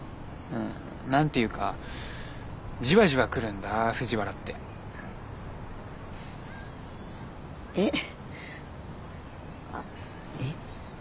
ん何て言うかじわじわ来るんだ藤原って。えっ？あえ？